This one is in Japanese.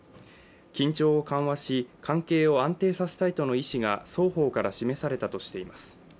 緊張を緩和し、関係を安定させたいとの意思が双方から示されたとしています。